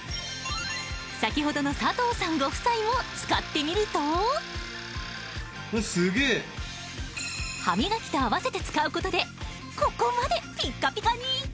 先ほどの佐藤さんご夫妻も使ってみると歯磨きと合わせて使うことでここまでピッカピカに！